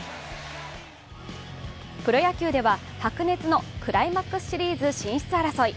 プロ野球では白熱のクライマックスシリーズ進出争い。